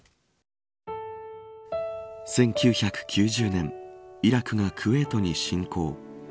１９９０年イラクがクウェートに侵攻。